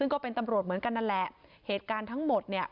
เหมือนกันนั่นแหละเหตุการณ์ทั้งหมดเนี่ย